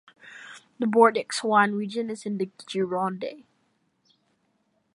The Bordeaux wine region is in the Gironde.